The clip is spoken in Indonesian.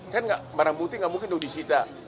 kan barang bukti gak mungkin sudah disita